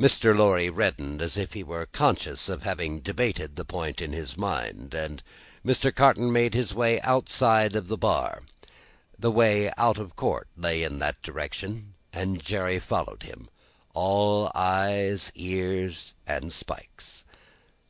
Mr. Lorry reddened as if he were conscious of having debated the point in his mind, and Mr. Carton made his way to the outside of the bar. The way out of court lay in that direction, and Jerry followed him, all eyes, ears, and spikes.